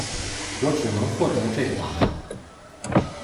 我只能获得这个答案